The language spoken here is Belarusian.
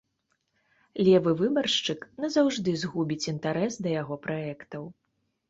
Левы выбаршчык назаўжды згубіць інтарэс да яго праектаў.